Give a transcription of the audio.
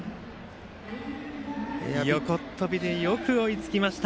横とびでよく追いつきました。